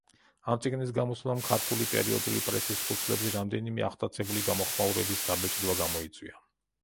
ამ წიგნის გამოსვლამ ქართული პერიოდული პრესის ფურცლებზე რამდენიმე აღტაცებული გამოხმაურების დაბეჭდვა გამოიწვია.